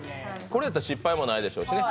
これやったら失敗もないでしょうしね。